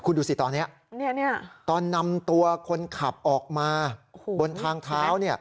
คุณดูสิตอนนี้ตอนนำตัวคนขับออกมาบนทางเท้า